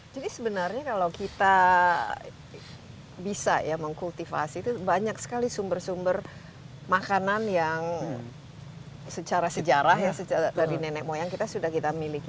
jadi sebenarnya kalau kita bisa ya mengkultivasi itu banyak sekali sumber sumber makanan yang secara sejarah ya dari nenek moyang kita sudah kita miliki